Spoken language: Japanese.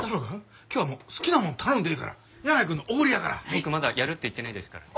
僕まだやるって言ってないですからね。